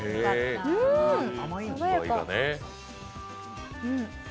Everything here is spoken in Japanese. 爽やか。